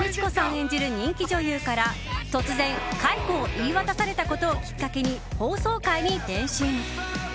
演じる人気女優から突然、解雇を言い渡されたことをきっかけに法曹界に転身。